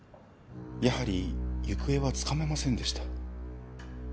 やはり行方はつかめませんでした。